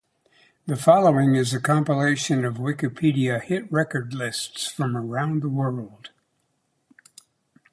The following is a compilation of Wikipedia hit record lists from around the world.